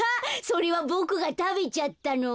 それもボクがたべちゃったの。